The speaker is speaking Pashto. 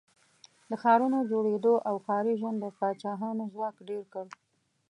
د ښارونو د جوړېدو او ښاري ژوند د پاچاهانو ځواک ډېر کړ.